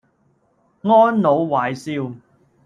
安老懷少